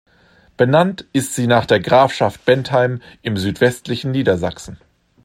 Benannt ist sie nach der Grafschaft Bentheim im südwestlichen Niedersachsen.